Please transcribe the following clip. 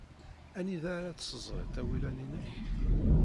Anida ara ad tessezriṭ awilan-inek.